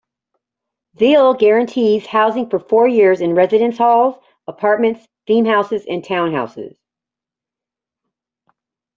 Thiel guarantees housing for four years in residence halls, apartments, theme houses and townhouses.